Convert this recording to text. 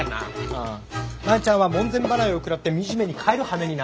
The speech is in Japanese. うん万ちゃんは門前払いを食らって惨めに帰るはめになる。